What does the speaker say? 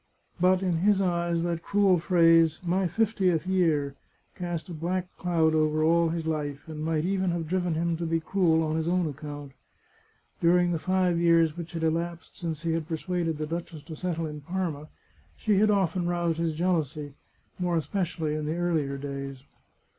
But in his eyes that cruel phrase, my fiftieth year, cast a black cloud over all his life, and might even have driven him to be cruel on his own account. During the five years which had elapsed since he had persuaded the duchess to settle in Parma, she had often roused his jealousy, more especially in the earlier days.